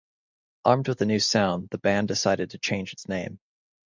Armed with a new sound, the band decided to change its name.